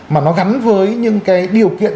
mà nó gắn với những cái điều kiện